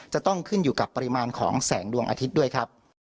จะต้องขึ้นอยู่กับปริมาณของแสงดวงอาทิตย์ด้วยครับ